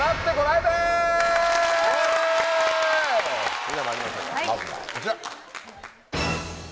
それではまいりましょうかまずはこちら！